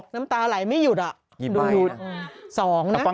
น้ำตาไหล่ไม่หยุดหยุดนะสองนะ